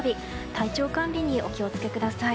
体調管理にお気をつけください。